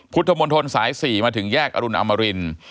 พุทธมนตรสาย๔มาถึงแยกอรุณอมริน